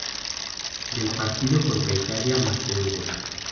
En el partido contra Italia marcó un gol.